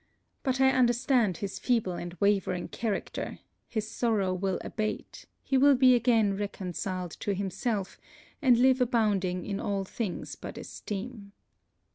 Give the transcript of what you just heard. But I understand his feeble and wavering character; his sorrow will abate; he will be again reconciled to himself, and live abounding in all things but esteem.